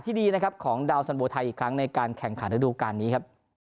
ดีนะครับของดาวสันโบไทยอีกครั้งในการแข่งขันระดูการนี้ครับ